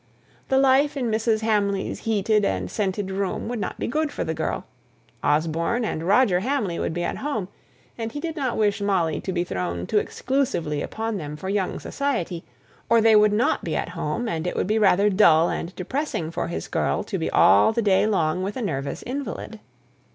The life in Mrs. Hamley's heated and scented room would not be good for the girl; Osborne and Roger Hamley would be at home, and he did not wish Molly to be thrown too exclusively upon them for young society; or they would not be at home, and it would be rather dull and depressing for his girl to be all the day long with a nervous invalid.